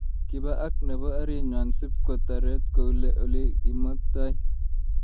kibaa ak nebo arinywa sibkotaret koule olikimaktai